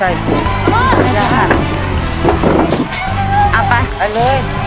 เอาไป